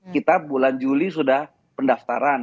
kita bulan juli sudah pendaftaran